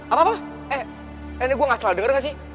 apa apa eh ini gue gak salah denger gak sih